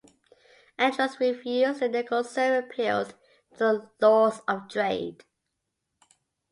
Andros refused, and Nicholson appealed to the Lords of Trade.